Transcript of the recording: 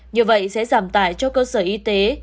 như vậy sẽ giảm tải cho cơ sở y tế